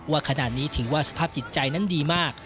ว่าขนาดนี้ถือว่าสภาพจิตใจนั้นดีมาก